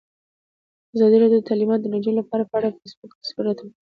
ازادي راډیو د تعلیمات د نجونو لپاره په اړه د فیسبوک تبصرې راټولې کړي.